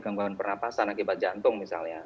gangguan pernafasan akibat jantung misalnya